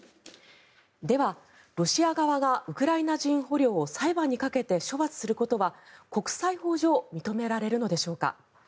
では、ロシア側がウクライナ人捕虜を裁判にかけて処罰することは国際法上認められるのでしょうか。